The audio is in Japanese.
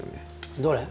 どれ？